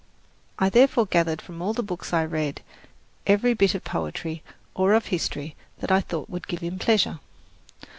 I therefore gathered from all the books I read every bit of poetry or of history that I thought would give him pleasure.